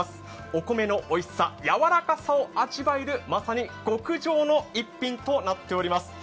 お米のおいしさを感じるまさに極上の逸品となっております。